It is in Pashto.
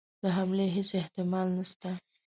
د حملې هیڅ احتمال نسته.